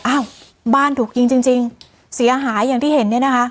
อ้าวบ้านถูกยิงจริงจริงเสียหายอย่างที่เห็นเนี่ยนะคะ